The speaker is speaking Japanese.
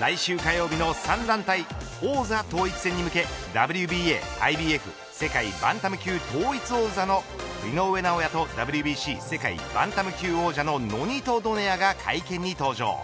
来週火曜日の３団体王座統一戦に向けＷＢＡ・ＩＢＦ世界バンタム級統一王座の井上尚弥とＷＢＣ世界バンタム級王者のノニト・ドネアが会見に登場。